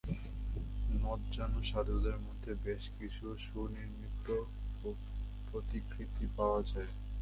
নতজানু সাধুদের মধ্যে বেশ কিছু সুনির্মিত প্রতিকৃতি পাওয়া যায়।